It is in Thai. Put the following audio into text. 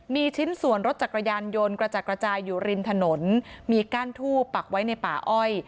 มีชิ้นส่วนรถจักรยานยนต์กระจัดกระจายอยู่ริมถนนมีก้านทูบปักไว้ในป่าอ้อย